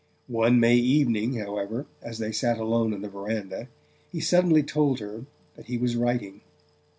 One May evening, however, as they sat alone in the verandah, he suddenly told her that he was writing.